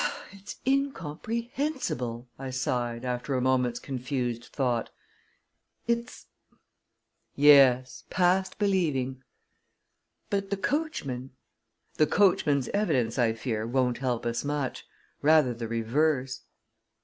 "It's incomprehensible!" I sighed, after a moment's confused thought. "It's " "Yes past believing." "But the coachman " "The coachman's evidence, I fear, won't help us much rather the reverse."